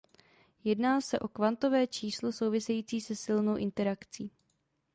Jedná se o kvantové číslo související se silnou interakcí.